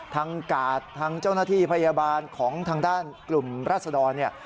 ทางกาดทางเจ้าหน้าที่พยาบาลของทางด้านกลุ่มราศดรเนี่ย